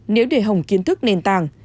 nếu để hồng kiến thức nền tảng